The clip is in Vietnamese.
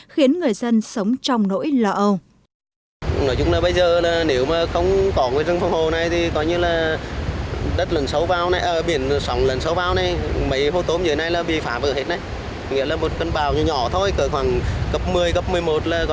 khiến người dân sống trong nỗi lỡ